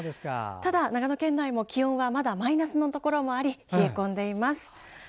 ただ、長野県内も気温がまだマイナスのところもあり冷え込んでいます。